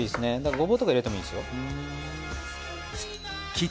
ごぼうとか入れてもいいですよ。